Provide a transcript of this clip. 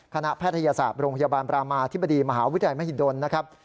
แพทยศาสตร์โรงพยาบาลประมาธิบดีมหาวิทยาลัยมหิดลนะครับ